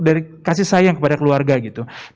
dari kasih sayang kepada keluarga gitu